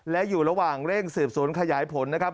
และอยู่ระหว่างเร่งสืบสวนขยายผลนะครับ